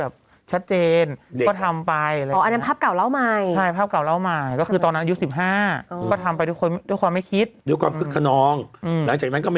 เอาไว้เอาเป็นละออนนะครับมาตามแม่กึ๊กหน่อยนะครับ